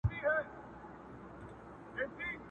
له پردي وطنه ځمه لټوم کور د خپلوانو!